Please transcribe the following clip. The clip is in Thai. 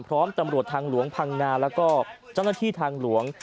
พร้อมตำรวจทางหลวงพังงาแล้วก็เจ้าหน้าที่ทางหลวง